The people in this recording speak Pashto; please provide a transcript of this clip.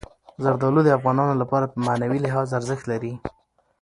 زردالو د افغانانو لپاره په معنوي لحاظ ارزښت لري.